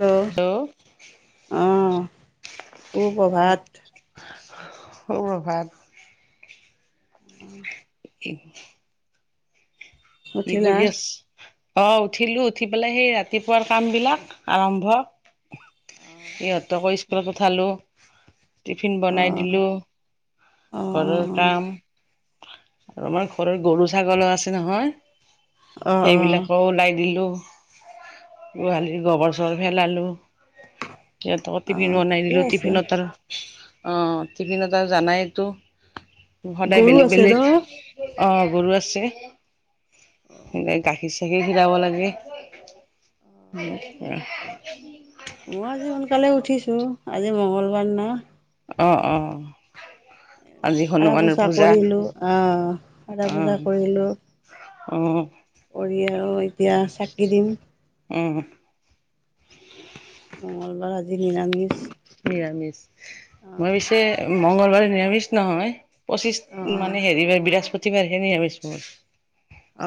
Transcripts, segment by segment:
Hello অ', সুপ্ৰভাত। সুপ্ৰভাত। এক কি উঠিলা? কৰি আছ, অ' উঠিলোঁ উঠি পেলাই সেই ৰাতিপুৱাৰ কামবিলাক আৰম্ভ অ', ইহঁতকো স্কুলত পঠালোঁ। টিফিন বনাই অ', দিলোঁ, ঘৰৰ অ', কাম। আৰু আমাৰ ঘৰৰ গৰু ছাগলো আছে নহয়। অ', অ', সেইবিলাকো ওলাই দিলোঁ, গোহালিৰ গোবৰ চোবৰ পেলালোঁ। সিহঁতক টিফিন অ', বনাই ঠিকে দিলোঁ, আছে। টিফিনত আৰু অ' টিফিনত আৰু জানাইতো সদায় গৰু বেলেগ আছে ন? বেলেগ অ' গৰু আছে। গাখীৰ চাখীৰ খিৰাব লাগে। মই আজি সোনকালে উঠিছোঁ, আজি মঙ্গলবাৰ না। অ', অ'। সাৰা পোচা কৰিলোঁ, অ' সাৰা অ পোচা কৰিলোঁ। অ'। কৰিয়ে আৰু এই অ'। মঙলবাৰ আজি নিৰামিষ। নিৰামিষ, মই অ', পিছে মংগলবাৰে নিৰামিষ নহয়। পঁচিছ অ', মানে হেৰিবাৰ বৃহস্পতিবাৰহে নিৰামিষ মোৰ। অ',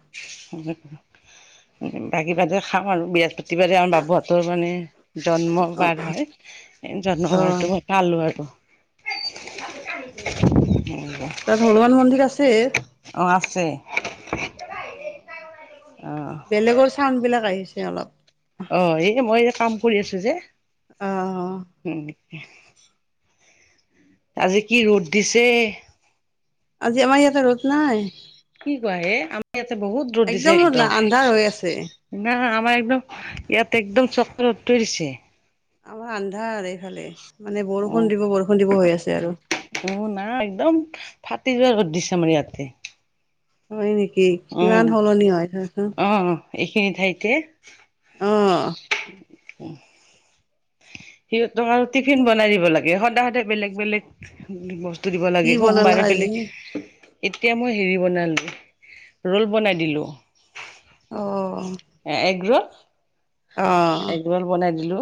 [inaudible] বাকী বাৰে খাওঁ আৰু, বৃহস্পতিবাৰে [unintelligible] তোৰ মানে অ', জন্মবাৰ হয়, অ', অ', জন্মবাৰটো মই পালোঁ আৰু। [inaudible] তাত হনুমান মন্দিৰ আছে? অ' আছে। অ বেলেগৰ চাউণ্ডবিলাক আহিছে অলপ। অঁ' এইটো মই এ কাম কৰি আছো যে। অঁ অঁ। উম। আজি কি ৰ'দ দিছে? আজি আমাৰ ইয়াতে ৰ'দ নাই। কি কোৱা হে আমাৰ ইয়াতে বহুত ৰদ দিছে নাই একদম। আন্ধাৰ হৈ আছে না, আমাৰ একদম ইয়াত একদম চক্ৰ ৰ'দটোৱে দিছে। আমাৰ আন্ধা এইফালে, মানে বৰষুণ দিব বৰষুণ দিব হৈ আছে আৰু। উম' নাই একদম ফাটি যোৱা ৰ'দ দিছে আমাৰ ইয়াতে। হয় নেকি? ইমান উম সলনি হয় চাচোন? অ এইখিনি ঠাইতে। অ সিহঁতক আৰু টিফিন বনাই দিব লাগে, সদায় সদায় বেলেগ বেলেগ- বস্তু দিব কি লাগে, বনালা সোমবাৰে আজি বেলেগ- এতিয়া মই হেৰি বনালোঁ ৰো'ল বনাই দিলোঁ। অঁ। এ এগ ৰোল এগ ৰোল বনাই দিলো।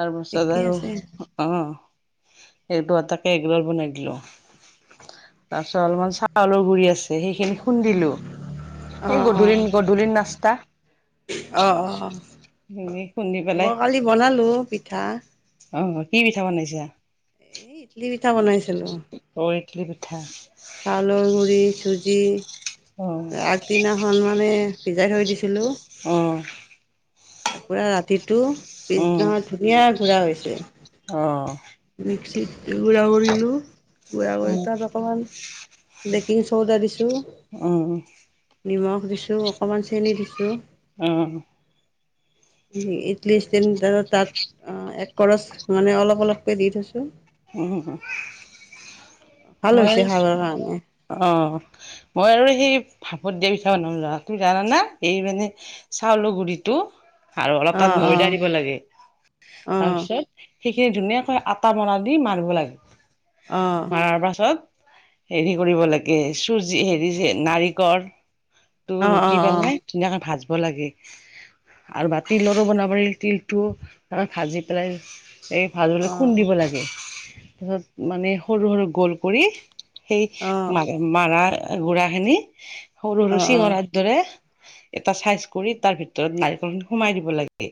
তাৰপাছত ঠিকে আছে আৰু- অঁ' এইটো আটাকে এগ ৰোল বনাই দিলো। তাৰপিছত অলমান চাউলৰ গুৰি আছে সেইখিনি খুন্দিলো। অ সেই গধূলি গধূলিৰ নাস্তা। অ' অ' হেৰি খুন্দি মই কালি বনালো পিঠা। অঁ' কি পিঠা বনাইছা? এই ইডলি পিঠা বনাইছিলোঁ। অ' ইডলি পিঠা? চাউলৰ গুড়ি, চুজি অ আগদিনাখন মানে ভিজাই থৈ দিছিলোঁ। অঁ' এক পুৰা ৰাতিটো পিছদিনা ধুনীয়া গুৰা হৈছে। অঁ' মিক্সিত গুড়া কৰিলোঁ, গুড়া কৰি তাত অকমান- বেকিং চৌদা দিছো। নিমখ দিছোঁ অকমান চেনি দিছোঁ। অঁ' ইডলি ষ্টেণ্ডডালৰ তাত এক কৰচ মানে অলপ অলপ- কে দি থৈছো। উমহু। ভাল হৈছে খাবৰ কাৰণে। অঁ মই আৰু সেই ভাপত দিয়া পিঠা বনাম জানা, তুমি জানানে এই মানে- চাউলৰ গুৰিটো আৰু অলপ তাত অঁ ময়দা অঁ দিব লাগে। তাৰ অঁ পিছত সেইখিনি ধুনীয়াকৈ আটা মৰা দি মাৰিব লাগে। অঁ মাৰাৰ পাছত হেৰি- কৰিব লাগে চুজি হেৰি যে নাৰিকলটো অঁ ৰুকি অঁ পেলাই- ধুনীয়াকে ভাজিব লাগে। আৰু বা তিলৰো বনাব পাৰি তিলটো ভাজি পেলাই এই- ভাল অঁ অঁ দৰে অঁ খুন্দিব লাগে তাৰপিছত মানে সৰু সৰু গোল কৰি সেই- অঁ মা মাৰা গুৰা খিনি সৰু সৰু অঁ চিঙৰা- দৰে, এটা চাইজ কৰি তাৰ ভিতৰত নাৰিকল সোমাই দিব লাগে।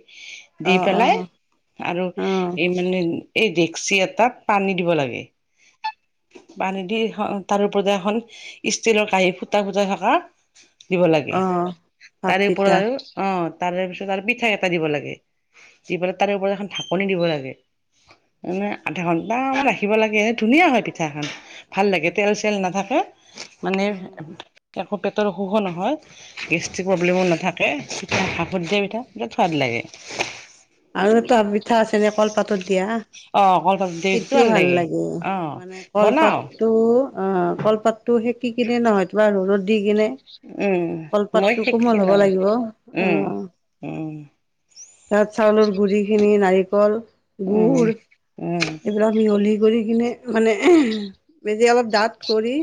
দি অঁ অঁ পেলাই অঁ আৰু এই মানে এই ডেক্সি এটাত পানী দিব লাগে। পানী দি এ তাৰ ওপৰতে এখন ষ্টীলৰ কাঁহী ফুটা ফুটা থকা দিব লাগে, অঁ ভাপ তাৰে পিঠা ওপৰত আৰু অ', তাৰে পিছত আৰু পিঠা এটা দিব লাগে, দি পেলাই তাৰে ওপৰত এখন ঢাকনি দিব লাগে। এনে আধা ঘন্টা মান ৰাখিব লাগে এ, ধুনীয়া হয় পিঠা খন ভাল লাগে। তেল চেল নাথাকে মানে একো পেটৰ অসুখো নহয়। গেষ্ট্ৰিক প্ৰব্লেমো নাথাকে, ভাপত দিয়া পিঠা বিৰাট সোৱাদ লাগে। আৰু এটা পিঠা আছে যে কলপাতত দিয়া। অ কলপাত দিয়া পিঠাটো সেইটোও ভাল লাগে অ মানে বনাও কলপাতটো অ', কলপাতটো সেকি কিনে নহয়, কিবা ৰ'দত দি কিনে উম মই কলপাতটো শিকি কোমল হ'ব লওঁ লাগিব উম অ'। উম। তাত চাউলৰ গুৰি খিনি, নাৰিকল, উম গুৰ উম পোৰা মিহলি কৰি কিনে মানে, নিজে অলপ ডাঠ কৰি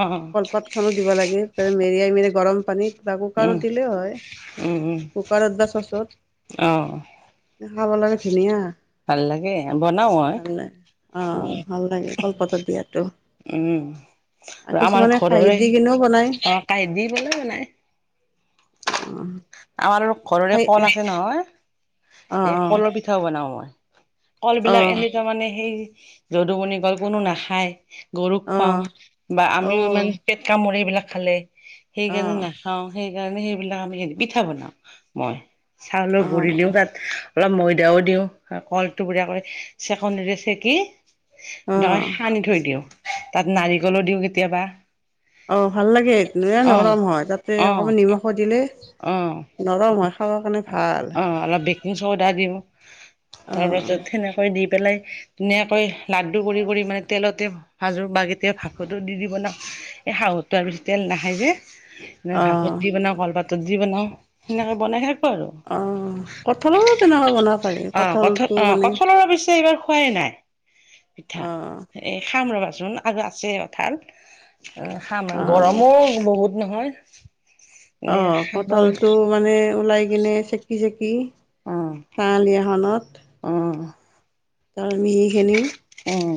অ কলপাত খনো দিব লাগে, তাতে মেৰিয়াই পিনে গৰম পানীত বা উম কুকাৰত দিলেও হয়, উম উম কুকাৰত বা চচত। অ'। খাব লাগে ধুনীয়া। ভাল লাগে বনাও মই। ভাল লাগে অ', ভাল লাগে কলপাতত দিয়াতো। উম। আৰু আমাৰ কিছুমানে কাঁহীত ঘৰৰে দি কিনেও বনায় অ', কাঁহিত দি পেলাই বনাই। অ'। আমাৰ ঘৰৰে অ', কল আছে নহয়, এই অ', কলৰ পিঠাও বনাওঁ মই। কল বিলাক অ', এনে ধৰ মানে সেই যদুমণি কল কোনো নাখায়। গৰুক অ', খুৱাওঁ বা আমিও অ', ইমান পেট কামোৰে এইবিলাক খালে সেইকাৰণে নাখাওঁ। খাওঁ সেইকাৰণে সেইবিলাক আমি পিঠা বনাওঁ, মই চাউলৰ গুৰি অ', দিওঁ তাত অলপ ময়দাও দিওঁ, কলটো টোকোৰা কৰি চেকনিৰে চেকি ধৰক সানি থৈ দিওঁ, তাত নাৰিকলো দিওঁ কেতিয়াবা। অ', ভাল লাগে, অ নৰম হয় তাতে অ অকমান নিমখো দিওঁ অ [unintelligible] নৰম হয় খাবৰ কাৰণে। ভাল অ', অলপ বেকিং চৌদা দিওঁ অ', তাৰপাছত সেনেকৈ দি পেলাই ধুনীয়াকৈ লাডু লাডু কৰি কৰি মানে তেলতে ভাজোঁ বা কেতিয়াবা ভাপতো দি দি বনাওঁ। এই শাহুটোৱে আৰু বেছি তেল নাখায় যে। সেনেকে ভাপত অ', দি বনাওঁ, কলপাতত দি বনাও, সেনেকে বনাই থাক [unintelligible] অ', অ', কঁঠালৰো তেনেকুৱা বনাব পাৰি কঠ কঁঠালটো অ', মানে কঠালৰ অৱশ্যে এইবাৰ খোৱাই নাই। পিঠা, অ', এই খাম ৰবাচোন আৰু আছে কঠাল। অ', খাম, অ', গৰমো বহুত নহয় এনে অ', কঠালটো মানে ওলাই কিনে চেকি চেকি কাহলি এখনত অ'। তাৰ মিহিখিনি উম।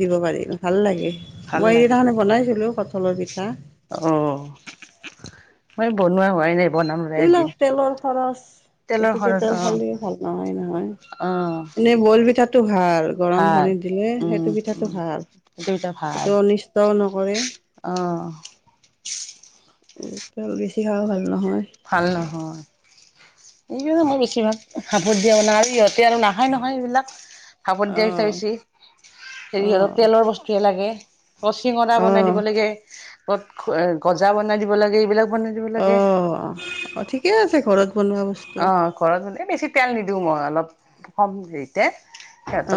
দিব পাৰিব, ভাল লাগে ভাল মই লাগে এদিনাখনি বনাইছিলো কঁঠালৰ পিঠা। অ মই বনোৱা হোৱাই নাই। বনাম ৰ এইবিলাক এদিন তেলৰ খৰচ। তেলৰ বেছিকে খৰচ তেল অ খালি ভাল নহয় নহয় অ এনেই বইল পিঠাটো ভাল। গৰম ভাল পানীত দিলে উম সেইটো পিঠাটো উম ভাল এতিয়া ভাল সেইটো অনিষ্টও নকৰে। অ। তেল বেছি খাৱও ভাল নহয়। ভাল নহয়। এই মই বেছিভাগ ভাপত দিয়া বনাই আৰু ইিহঁতে আৰু নাখায় নহয় এইবিলাক। ভাপত দিয়াৰ পিঠা অঁ বেছি হেৰি অলপ অঁ তেলৰ বস্তুয়েই লাগে। কত চিঙৰা বনাই অঁ দিব লাগে ক'ত গজা বনাই দিব লাগে এইবিলাক বনাই দিব অ লাগে অ ঠিকে আছে ঘৰত বনোৱা বস্তু। অ ঘৰত মানে বেছি তেল নিদিওঁ মই অলপ কম হেৰিতে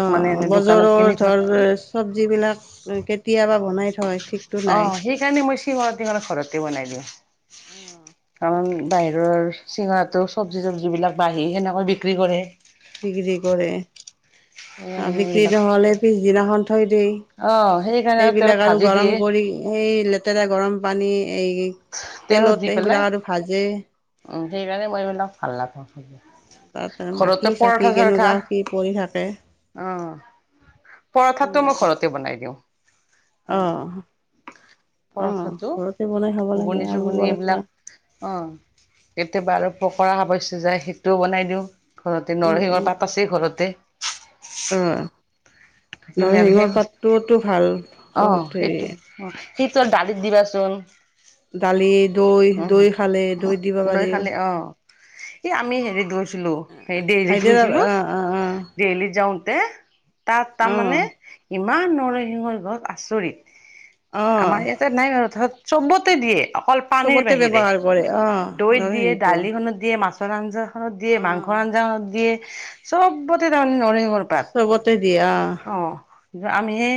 অ মানে দোকানত কিনি বজাৰৰ ধৰ খোৱাতকৈ চব্জি বিলাক কেতিয়াবা বনাই থয় ঠিক অ সেইকাৰণে মই চিঙৰা তিঙৰা ঘৰতে বনাই দিওঁ অ কাৰণ বাহিৰৰ অ চিঙৰাটো চব্জিবিলাক বাঢ়ি সেনেকৈ বিক্ৰী কৰে। বিক্ৰী কৰে বিক্ৰী নহলে পিছদিনাখন থয় দিয়েই। অ সেইকাৰণে তেলত সেইবিলাক আৰু ভাজি দিয়ে গৰম কৰি এই লেতেৰা গৰম পানী এই তেলত দি পেলাই সেইবিলাক আৰু ভাজে উ সেইকাৰণে মই এইবিলাক ভাল নাপাওঁ। তাত মাখি ঘৰতে চাখি পৰঠা চাৰঠা কেনেকুৱা কি পৰি থাকে আহ উম পৰঠাতটো মই ঘৰতে বনাই দিওঁ। অ অ পৰঠাতটো ঘৰতে বনাই খাব লাগে ঘুগুনি আলু চুগুনি পৰঠা এইবিলাক অ কেতিয়াবা আৰু পকৰা খাব ইচ্ছা যায় সেইটোও বনাই দিওঁ। ঘৰতে উম নৰসিংহৰ উম পাত আছেই ঘৰতে। অ থাকিলে আৰু সেই নৰসিংহৰ পাতটোতো ভাল অ বহুত হেৰি। সেইটো সেইটো দালিত দিবাচোন। দালি দৈ উম দৈ খালে দৈ দিব পাৰি। এ আমি হেৰিত গৈছিলোঁ এই দেল্লীত হাইদৰাবাদ গৈছিলোঁ। অ দেল্লী যাওঁতে তাত অ অ তাৰমানে ইমান নৰসিংহৰ গছ আচৰিত। অ অ আমাৰ ইয়াতে নাই বাৰু ধৰ চবতে দিয়ে। অকল পানীৰ চবতে বাহিৰে ব্যৱহাৰ কৰে অ দৈত দিয়ে নৰসিংহটো দালিখনত দিয়ে মাছ ছৰ আঞ্জাখনত দিয়ে মাংসৰ অ আঞ্জা খতন দিয়ে চবতে তাৰমানে নৰসিংহৰ পাত। চবতে দিয়ে অ আমিহে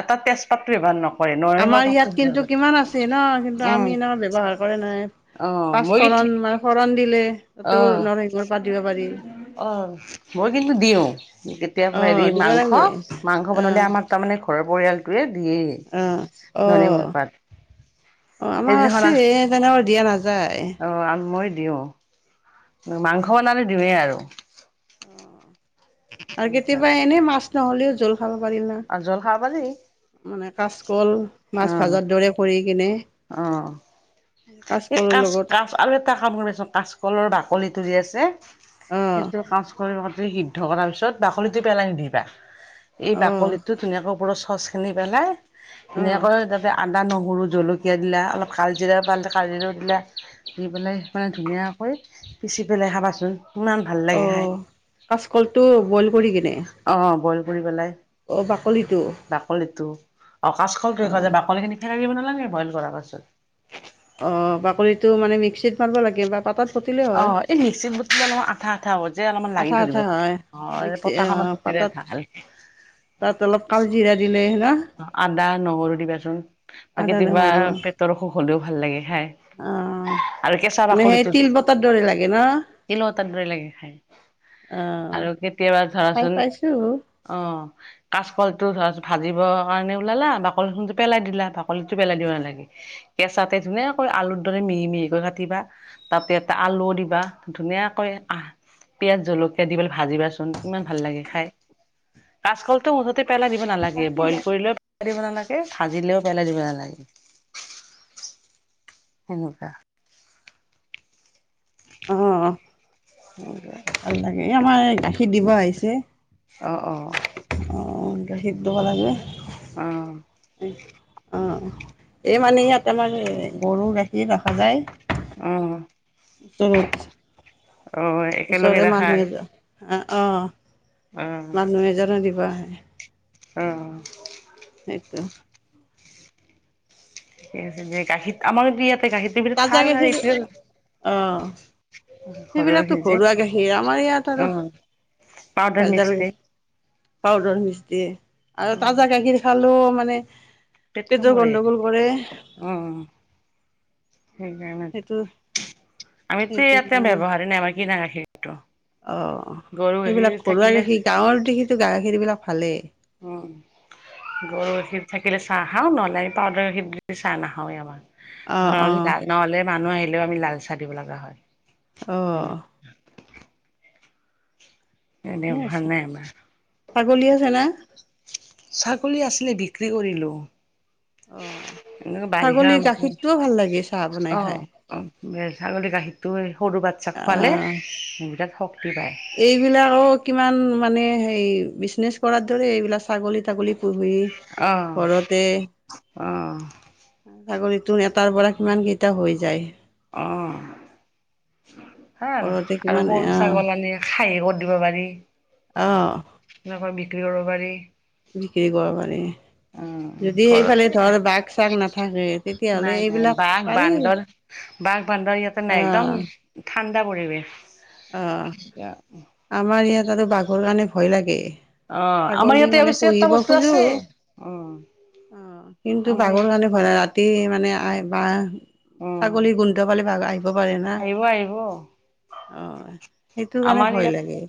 এটা তেজপাত ব্যৱহাৰ নক আমাৰ ইয়াত কিন্তু কিমান আছে ন কিন্তু উম আমি এনেকুৱা ব্যৱহাৰ নকৰে নহয় অ মই পাঁচফোৰণ মানে ফৰণ দিলে তাতেও অ নৰসিংহৰ পাত দিব পাৰি। অ মই কিন্তু দিওঁ কেতিয়াবা হেৰি অ' দিব মাংস লাগে মাংস বনালে অ' আমাক তাৰমানে ঘৰৰ পৰিয়ালটোৱে দিয়ে অ' অ' নৰসিংহৰ পাত। অ' আমাৰ সেইদিনাখন আছে তেনেকৈ দিয়া নাযায় অ মই দিওঁ। মাংস বনালে দিওৱে আৰু। আৰু কেতিয়াবা এনে মাছ নহলেও জুল পাব পাৰিম না আৰু জল খাব পাৰি মানে কাজকল মাছ অ', ভাজাৰ দৰে কৰি কিনে অ'। এই কাচকলৰ কাচ লগত কাচ আৰু এটা কাম কৰিছোন কাচকলৰ বাকলিটো যে আছে অ' সেইটো কা লিৰ লগত সিদ্ধ কৰাৰ পিছত বাকলিটো পেলাই নিদিবা, এই অ' বাকলিটো ধুনীয়াকে ওপৰত চচ সানি পেলাই অ' ধুনীয়াকে তাতে আদা নহৰু জলকীয়া দিলে অলপ কাল জিৰা পালে কাল জিৰাও দিলা, দি পেলাই মানে ধুনীয়াকৈ পিচি পেলাই খাবাচোন, ইমা অ', কাচকলটো বইল কৰি কিনে? অ', বইল কৰি পেলাই। অঁ বাকলিটো? বাকলিটো, আৰু কাচকলটো দেখ অ' যায় বাকলি খিনি ফেলে দিব নালাগে বইল কৰাৰ পাছত। অঁ বাকলিটো মানে মিক্সিত মাৰিব লাগে বা পাতত অ' এই মিক্সিত বটিলে অলপমান আঠা আঠা হ'ব যে অলপমান লাগি আঠা ধৰিব। আঠা হয় অ' মিক্সি পটাখনত বটিলে পাতাত ভাল। তাত অলপ কালজিৰা দিলে হেনা আদা নহৰু দিবাচোন, বা আদা কেতিয়াবা নহৰু পেটৰ অসুখ হ'লেও ভাল লাগে খাই। অ'। আৰু কেঁচা মানে সেই বাকলিটো তিল বতাৰ দৰে লাগে ন? তিলৰ তাত লাগে খাই অ'। আৰু কেতিয়াবা খাই ধৰাচোন পাইছো অ' কাচকলটো ধৰাচোন ভাজিব কাৰণে ওলালা বাকলি খন যে পেলাই দিলা, বাকলিতটো পেলাই দিব নালাগে। কেঁচাতে ধুনীয়াকৈ আলুৰ দৰে মিহি মিহিকৈ কাটিবা। তাতে এটা আলু দিবা ধুনীয়াকৈ আহ পিঁয়াজ জলকীয়া দি পেলাই ভাজিবাচোন কিমান ভাল লাগে খাই। কাচকলটো মুঠতে পেলাই দিব নালাগে। বইল কৰিলেও পেলাই দিব নালাগে। ভাজিলেও পেলাই দিব নালাগে। সেনেকুৱা। অ'। হ [unintelligible] ভাল লাগে, এই আমাৰ এই গাখীৰ দিব আহিছে। অ', অ'। অ' গাখীৰ দিব লাগে। অ'। অ' এই মানে ইয়াত আমাৰ গৰু গাখীৰ ৰখা অ যায়। তোৰো অ একেলগে ওচৰৰে ৰাখা মানুহ আৰু এজন আহ অ' মানুহ এজনে দিব আহে। অ'। সেইটো। ঠিকে আছে দে, গাখীৰ আমাৰো ইয়াতে গাখীৰটোৰ ভিতৰত তাজা ভাল আৰু গাখীৰ অ এইটো ঘৰৰ সেইবিলাকতো গাখীৰ যে, ঘৰুৱা গাখীৰ আমাৰ ইয়াত আৰু অ' পাউদাৰ ভেজাল মিক্স দে। পাউদাৰ মিক্স দিয়ে। আৰু উম তাজা গাখীৰ খালেও মানে পেটৰ গণ্ডগোল কৰে। অ'। সেইকাৰণে, সেইটো আমিতো সেইটো ইয়াতে কাৰণে ব্যৱহাৰেই নাই আমাৰ কিনা গাখীৰটো। অ' গৰু গাখীৰ সেইবিলাক ঘৰুৱা থাকিলে গাখীৰ, গাঁৱৰ দেখি গাখীবিলাক ভালেই। উম। গৰু গাখীৰ থাকিলে চাহ খাওঁ, নহ'লে পাউদাৰ গাখীৰ দি চাহ নাখাৱেই আমাৰ। অ অ ধৰ লাল নহ'লে মানুহ আহিলেও আমি লাল চাহ দিব লগা হয়। অ'। এনেই ঠিকে উঠা আছে নাই বাছত। ছাগলী আছে না? ছাগলী আছিলে বিক্ৰি কৰিলোঁ। অ বাৰিষা ছাগলীৰ [unintelligible] গাখীৰটোও ভাল লাগে চাহ বনাই অহ, খাই ছাগলী গাখীৰটো সৰু বাচ্ছা খোৱালে, আহ বিৰাট শক্তি পায়। এইবিলাকো মানে হেই বিজনেচ কৰাৰ দৰে ছাগলী-তাগলী। পুহি অ', ঘৰতে, অ', ছাগলীটো এটাৰ পৰা কিমান কেইটা হৈ যায়। অহ, ভাল ঘৰতে আৰু কিমান সৰু অ ছাগল আনি। খাহী কৰি দিব পাৰি, অ এনেকৈ বিক্ৰী কৰিব পাৰি। বিক্ৰী কৰবা পাৰি। উম, যদি সেইফালে ঘৰতে ধৰ বাঘ-চাগ নাথাকে তেতিয়াহলে নাই নাই এইবিলাক বাঘ পাৰি। বান্দৰ বাঘ বান্দৰ ইয়াতে অ নাই একদম ঠাণ্ডা পৰিৱেশ। অ আমাৰ ইয়াত আৰু বাঘৰ কাৰণে ভয় লাগে। অ', আমাৰ ছাগলী ইয়াতে মানে অৱশ্যে এটা পুহিব বস্তু খোজো আছে। উম, অ কিন্তু বাঘৰ কাৰণে [unintelligible] এই মানে [unintelligible] অ', ছাগলী গোন্ধ পালে বাঘৰ আহিব পাৰে না। আহিব, আহিব। অ, সেইটো কাৰণে আমাৰ ভয় ইয়াত লাগে।